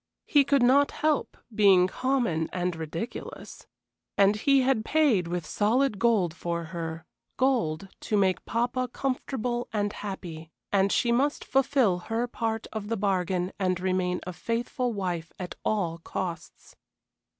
He could not help being common and ridiculous. And he had paid with solid gold for her, gold to make papa comfortable and happy, and she must fulfil her part of the bargain and remain a faithful wife at all costs.